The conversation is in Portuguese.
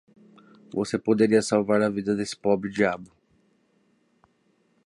Você poderia salvar a vida desse pobre diabo.